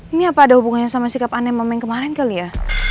ini apa ada hubungannya sama sikap aneh momen kemarin kali ya